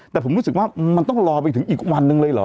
แต่ผมรู้สึกว่ามันต้องรอไปถึงอีกวันหนึ่งเลยเหรอ